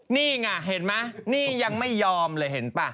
นี่ไงเห็นไหมนี่ยังไม่ยอมเลยเห็นป่ะ